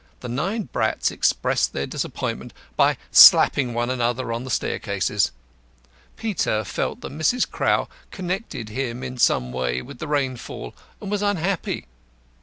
The nine brats expressed their disappointment by slapping one another on the staircases. Peter felt that Mrs. Crowl connected him in some way with the rainfall, and was unhappy.